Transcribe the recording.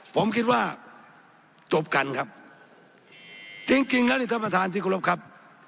ผมคิดว่าจบกันครับจริงจริงแล้วนี่ท่านประธานที่กรบครับ